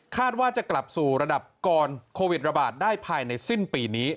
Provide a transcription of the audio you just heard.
ว่าจะกลับสู่ระดับก่อนโควิดระบาดได้ภายในสิ้นปีนี้